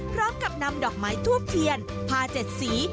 พร้อมกับนำดอกไม้ทูบเทียนผ้า๗สี